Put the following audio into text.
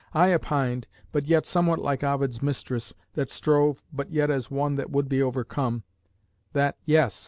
_I opined (but yet somewhat like Ovid's mistress, that strove, but yet as one that would be overcome), that yes!